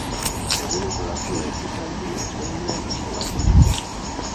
Egun osorako ekitaldi ezberdinak antolatu dituzte.